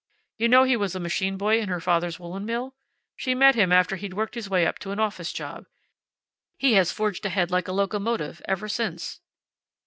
You know he was a machine boy in her father's woolen mill. She met him after he'd worked his way up to an office job. He has forged ahead like a locomotive ever since."